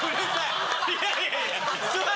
いやいやいや。